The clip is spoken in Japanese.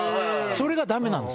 それがだめなんです。